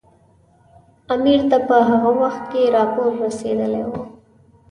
امیر ته په هغه وخت کې راپور رسېدلی وو.